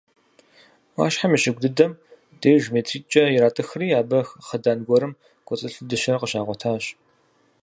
Ӏуащхьэм и щыгу дыдэм деж метритӏкӏэ иратӏыхри, абы хъыдан гуэрым кӏуэцӏылъу дыщэр къыщагъуэтащ.